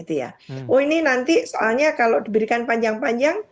oh ini nanti soalnya kalau diberikan panjang panjang